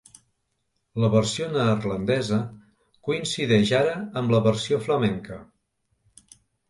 La versió neerlandesa coincideix ara amb la versió flamenca.